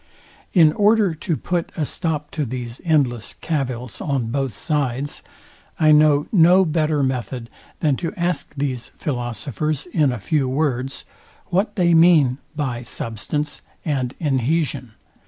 In order to put a stop to these endless cavils on both sides, I know no better method, than to ask these philosophers in a few words, What they mean by substance and inhesion?